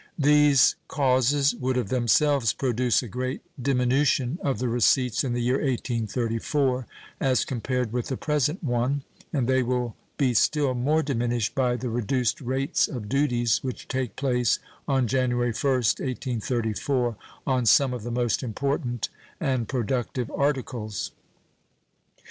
These causes would of themselves produce a great diminution of the receipts in the year 1834 as compared with the present one, and they will be still more diminished by the reduced rates of duties which take place on January 1st, 1834 on some of the most important and productive articles.